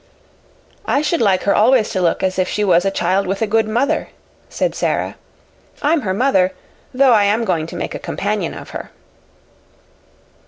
"I should like her always to look as if she was a child with a good mother," said Sara. "I'm her mother, though I am going to make a companion of her."